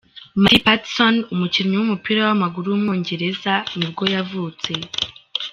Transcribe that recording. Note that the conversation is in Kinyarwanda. Matty Pattison, umukinnyi w’umupira w’amaguru w’umwongereza nibwo yavutse.